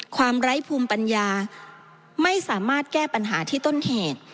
ไร้ภูมิปัญญาไม่สามารถแก้ปัญหาที่ต้นเหตุ